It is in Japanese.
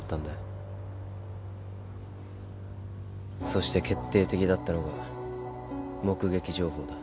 そして決定的だったのが目撃情報だ。